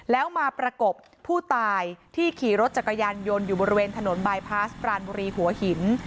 แล้วมาประกบผู้ตายที่ขี่รถจักรยานยนต์อยู่บริเวณถนนบายพาสปรานบุรีหัวหิน